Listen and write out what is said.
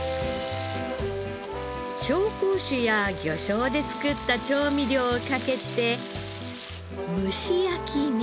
紹興酒や魚醤で作った調味料をかけて蒸し焼きに。